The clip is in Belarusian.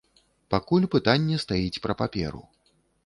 Пакуль пытанне стаіць пра паперу.